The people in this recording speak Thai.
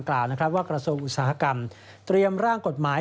กล่าวนะครับว่ากระทรวงอุตสาหกรรมเตรียมร่างกฎหมาย